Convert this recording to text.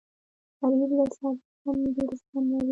غریب له صبره هم ډېر زغم لري